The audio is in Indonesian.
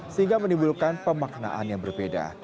sehingga menimbulkan pemaknaan yang berbeda